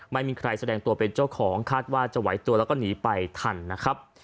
ไม่มีใครแสดงตัวเป็นเจ้าของคาดว่าจะไหวตัวแล้วก็หนีไปทันนะครับ